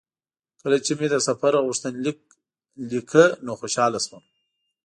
کله چې مې د سفر غوښتنلیک لیکه نو خوشاله شوم.